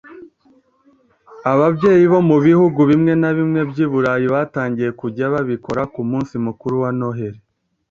ababyeyi bo mu Bihugu bimwe na bimwe by’i Burayi batangiye kujya babikora ku munsi mukuru wa Noheli